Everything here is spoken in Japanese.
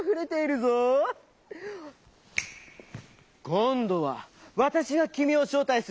「こんどはわたしがきみをしょうたいする。